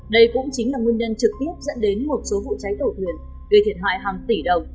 đây cũng chính là nguyên nhân trực tiếp dẫn đến một số vụ cháy tàu thuyền gây thiệt hại hàng tỷ đồng